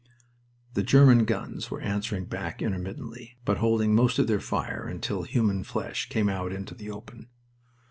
The German guns were answering back intermittently, but holding most of their fire until human flesh came out into the open.